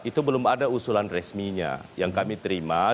itu belum ada usulan resminya yang kami terima